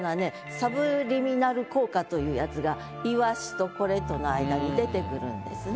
サブリミナル効果というやつが「鰯」とこれとの間に出てくるんですね。